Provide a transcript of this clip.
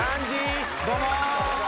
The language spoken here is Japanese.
どうもー。